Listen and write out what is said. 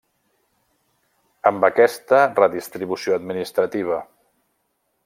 Amb aquesta redistribució administrativa.